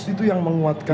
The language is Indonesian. itu yang menguatkan